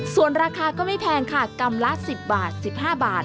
ส่วนราคาก็ไม่แพงค่ะกรัมละ๑๐บาท๑๕บาท